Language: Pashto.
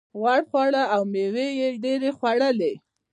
غوړ خواړه او مېوې یې ډېرې خوړلې.